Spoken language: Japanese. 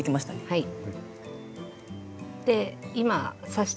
はい。